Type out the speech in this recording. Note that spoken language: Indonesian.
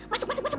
masuk masuk masuk